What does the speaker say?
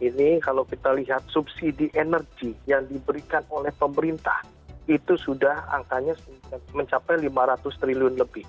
ini kalau kita lihat subsidi energi yang diberikan oleh pemerintah itu sudah angkanya mencapai lima ratus triliun lebih